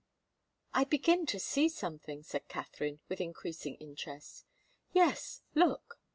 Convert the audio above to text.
"I begin to see something," said Katharine, with increasing interest. "Yes look!"